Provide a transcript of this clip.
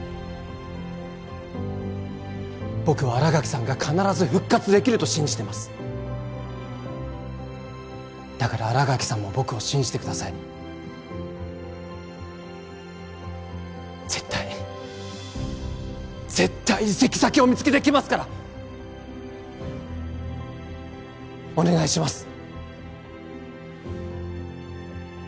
僕は新垣さんが必ず復活できると信じてますだから新垣さんも僕を信じてください絶対絶対移籍先を見つけてきますからお願いします